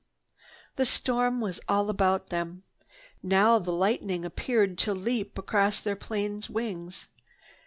The storm was all about them. Now the lightning appeared to leap across their plane wings.